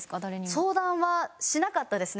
相談はしなかったですね。